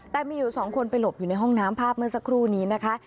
แต่มีอยู่สองคนไปหลบอยู่ในห้องน้ำภาพเมื่อสักครู่นี้นะคะ